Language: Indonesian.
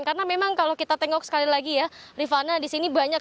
karena memang kalau kita tengok sekali lagi ya rifana di sini banyak